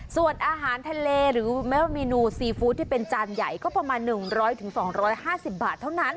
ส่วนอาหารทะเลหรือไม่เมนูซีฟู้ดที่เป็นจานใหญ่ก็ประมาณ๑๐๐๒๕๐บาทเท่านั้น